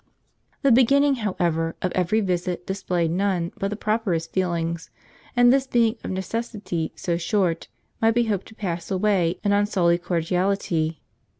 The beginning, however, of every visit displayed none but the properest feelings, and this being of necessity so short might be hoped to pass away in unsullied cordiality.